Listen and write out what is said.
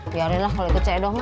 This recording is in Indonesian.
biarin lah kalo ikut cedoh mak